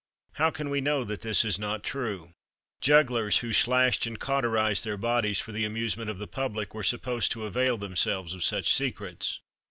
How can we know that this is not true? Jugglers who slashed and cauterized their bodies for the amusement of the public were supposed to avail themselves of such secrets.